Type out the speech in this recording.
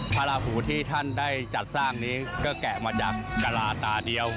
พระราหูที่ท่านได้จัดสร้างนี้ก็แกะมาจากกะลาตาเดียว